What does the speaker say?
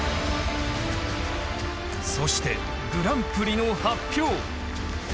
そしてグランプリの発表。